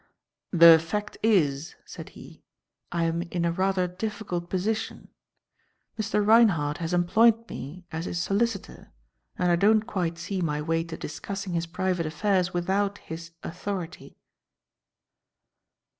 "The fact is," said he, "I am in a rather difficult position. Mr. Reinhardt has employed me as his solicitor, and I don't quite see my way to discussing his private affairs without his authority."